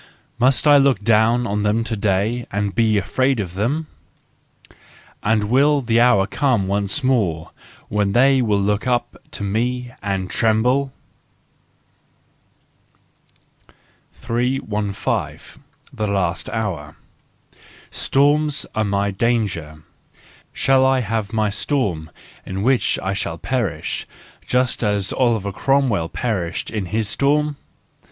Must I look down on them to day, and be afraid of them? And will the hour come once more when they will look up to me, and tremble ?— 3 * 5 * The Last Hour .—Storms are my danger. Shall I have my storm in which I shall perish, just as Oliver Cromwell perished in his storm